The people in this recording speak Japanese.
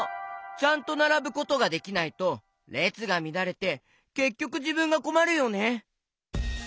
ちゃんとならぶことができないとれつがみだれてけっきょくじぶんがこまるよね。